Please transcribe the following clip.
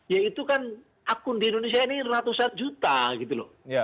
ya itu kan akun di indonesia ini ratusan juta gitu loh